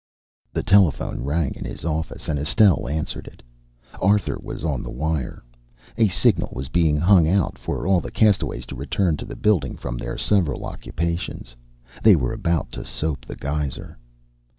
The telephone rang in his office, and Estelle answered it. Arthur was on the wire. A signal was being hung out for all the castaway to return to the building from their several occupations. They were about to soap the geyser.